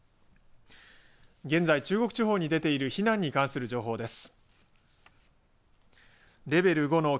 現在、中国地方に出ている避難に関する情報です。